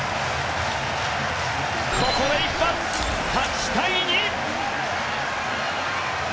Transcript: ここ一発、８対２！